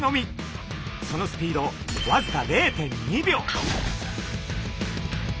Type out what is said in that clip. そのスピードわずか０．２秒！